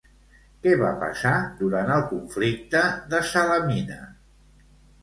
Què va passar durant el conflicte de Salamina?